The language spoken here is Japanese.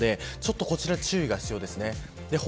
こちらに注意が必要です。